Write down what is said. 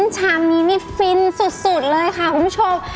ชามนี้นี่ฟินสุดเลยค่ะคุณผู้ชม